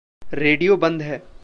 Radio बंद है।